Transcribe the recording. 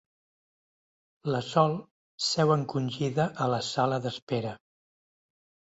La Sol seu encongida a la sala d'espera.